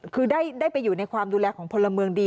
คือได้ไปอยู่ในความดูแลของพลเมืองดี